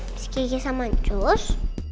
meski kisah mancus